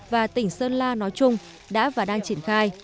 và tỉnh sơn la nói chung đã và đang triển khai